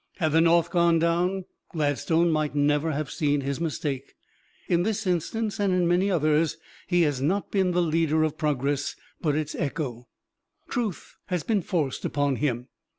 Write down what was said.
Had the North gone down, Gladstone might never have seen his mistake. In this instance and in many others, he has not been the leader of progress, but its echo: truth has been forced upon him.